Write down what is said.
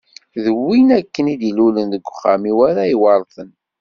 D win akken i d-ilulen deg uxxam-iw ara yi-iweṛten.